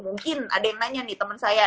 mungkin ada yang nanya nih teman saya